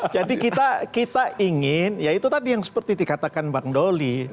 jadi kita ingin ya itu tadi yang seperti dikatakan bang dolly